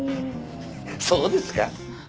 そうですか？